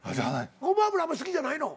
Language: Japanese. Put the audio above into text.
ごま油あんま好きじゃないの？